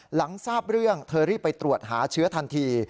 หลังทราบเรื่องเธอรีบไปตรวจหาเชื้อทันที